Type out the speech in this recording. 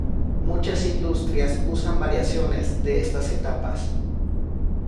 Muchas industrias usan variaciones de estas etapas.